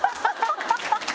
ハハハハ！